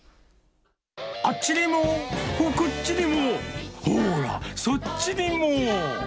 あっちにも、こっちにも、ほーら、そっちにも。